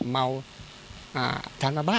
พ่อโทษ